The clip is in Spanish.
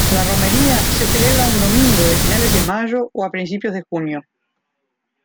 La romería se celebra un domingo de finales de mayo o principios de junio.